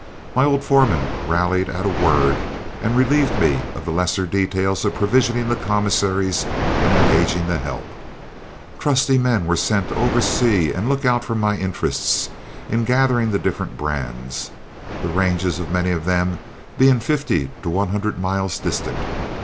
My old foremen rallied at a word and relieved me of the lesser details of provisioning the commissaries and engaging the help. Trusty men were sent to oversee and look out for my interests in gathering the different brands, the ranges of many of them being fifty to one hundred miles distant.